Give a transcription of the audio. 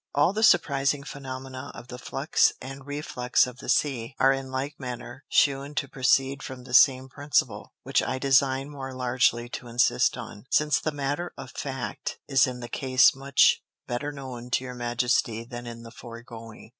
All the surprising Phænomena of the Flux and Reflux of the Sea, are in like manner shewn to proceed from the same Principle; which I design more largely to insist on, since the Matter of Fact is in this Case much better known to your Majesty than in the foregoing.